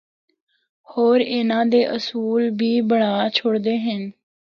ہور اُن دے اصول بھی بنڑا چُھڑے دے ہن۔